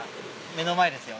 目の前ですよ